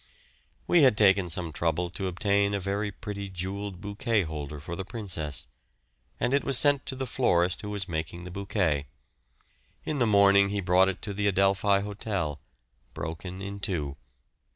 We had taken some trouble to obtain a very pretty jewelled bouquet holder for the Princess, and it was sent to the florist who was making the bouquet. In the morning he brought it to the Adelphi Hotel, broken in two.